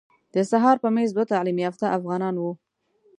د سهار په میز دوه تعلیم یافته افغانان وو.